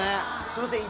すいません